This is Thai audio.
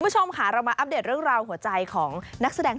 คุณผู้ชมค่ะเรามาอัปเดตเรื่องราวหัวใจของนักแสดง